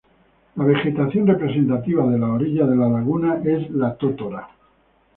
La vegetación representativa de las orillas de la laguna es la totora.